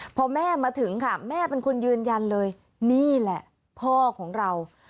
พอแม่มาถึงค่ะแม่เป็นคนยืนยันเลยนี่แหละพ่อของเรา